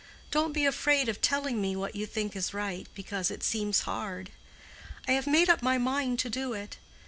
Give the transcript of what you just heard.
"Don't be afraid of telling me what you think is right, because it seems hard. I have made up my mind to do it.